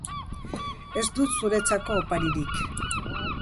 Ez dut zuretzako oparirik.